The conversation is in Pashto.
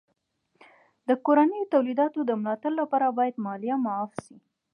د کورنیو تولیداتو د ملا تړ لپاره باید مالیه معاف سي.